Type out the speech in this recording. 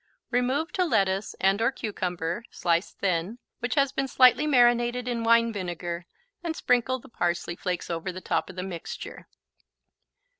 Remove to lettuce and/or cucumber (sliced thin) which has been slightly marinated in wine vinegar and sprinkle the parsley flakes over the top of the mixture.